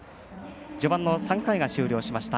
序盤の３回終了しました。